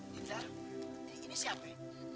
dinda ini siapa